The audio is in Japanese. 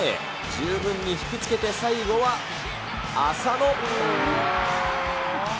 十分に引き付けて最後は浅野。